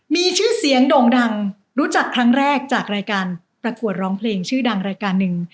มีชื่อเสียงโด่งดังรู้จักครั้งแรกจากรายการประกวดร้องเพลงชื่อดังรายการหนึ่ง